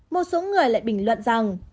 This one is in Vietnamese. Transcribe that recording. một số người lại bình luận rằng